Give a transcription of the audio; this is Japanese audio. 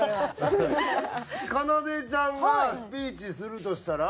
かなでちゃんはスピーチするとしたら。